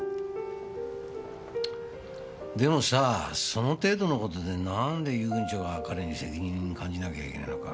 でもさぁその程度の事で何で遊軍長が彼に責任感じなきゃいけないのか